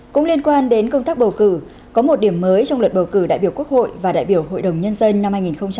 cũng liên quan đến công tác bầu cử có một điểm mới trong luật bầu cử đại biểu quốc hội và đại biểu hội đồng nhân dân năm hai nghìn một mươi sáu